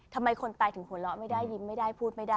ทำไมคนตายถึงหัวเราะไม่ได้ยิ้มไม่ได้พูดไม่ได้